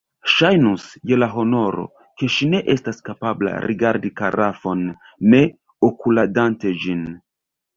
Ŝajnus, je la honoro, ke ŝi ne estas kapabla rigardi karafon ne okuladante ĝin.